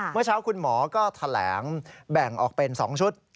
เมื่อเช้าคุณหมอก็แถลงแบ่งออกเป็น๒ชุด